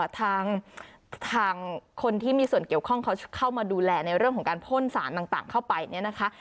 ทางคนที่มีส่วนเกี่ยวข้องเขาเข้ามาดูแลในเรื่องของการพ่นสารต่างเข้าไปเนี่ยนะคะ